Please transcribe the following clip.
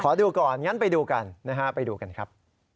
ขอดูก่อนอย่างนั้นไปดูกันไปดูกันครับ